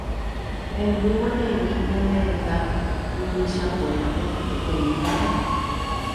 Hemby gueteri ñane retã ruvichakuérape peteĩ mba'e